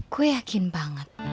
gue yakin banget